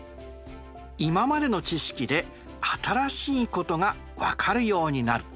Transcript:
今までの知識で新しいことが分かるようになる！